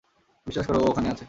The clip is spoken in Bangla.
বিশ্বাস করো, ও ওখানেই আছে।